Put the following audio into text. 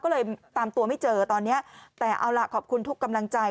ก็เลยตามตัวไม่เจอตอนเนี้ยแต่เอาล่ะขอบคุณทุกกำลังใจ